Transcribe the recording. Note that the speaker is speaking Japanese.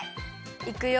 いくよ！